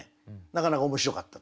なかなか面白かった。